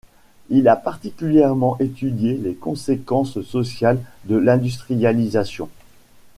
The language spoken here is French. Il a particulièrement étudié les conséquences sociales de l'industrialisation.